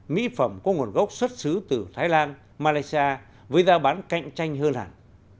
mỹ phẩm có nguồn gốc xuất xứ từ thái lan malaysia với giá bán cạnh tranh hơn hẳn